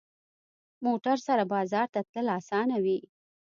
موټر سره بازار ته تلل اسانه وي.